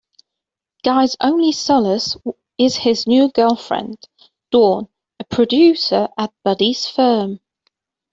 Guy's only solace is his new girlfriend, Dawn, a producer at Buddy's firm.